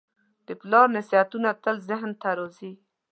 د پلار نصیحتونه تل ذهن ته راځي.